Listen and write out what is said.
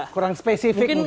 kurang spesifik mungkin ya